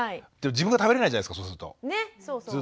自分が食べれないじゃないですかそうすると。